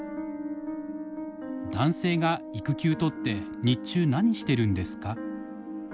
「男性が育休とって日中何してるんですか？」。